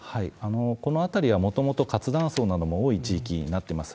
この辺りはもともと活断層なども多い地域になってます。